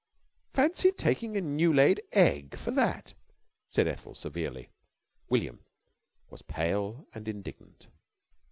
"Fancy taking a new laid egg for that," said Ethel severely. William was pale and indignant.